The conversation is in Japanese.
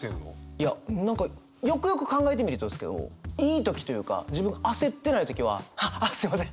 いや何かよくよく考えてみるとですけどいい時というか自分が焦ってない時は「あっあっすみません。